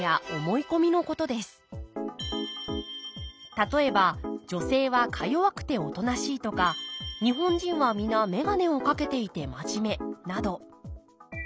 例えば女性はかよわくておとなしいとか日本人は皆眼鏡を掛けていてまじめなど。